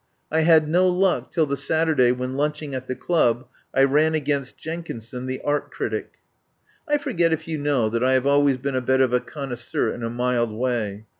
I had no luck till the Satur day, when, lunching at the club, I ran against Jenkinson, the art critic. I forget if you know that I have always been a bit of a connoisseur in a mild way.